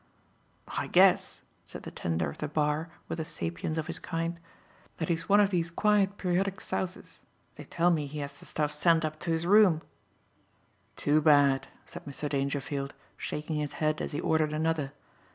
"I guess," said the tender of the bar with the sapience of his kind, "that he's one of these quiet periodic souses. They tell me he has the stuff sent up to his room." "Too bad!" said Mr. Dangerfield, shaking his head as he ordered another.